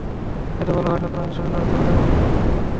এতে বলা হয়, নতুন আইনের সুবিধা হচ্ছে বাজারমূল্যে পণ্য বিক্রি করা যাবে।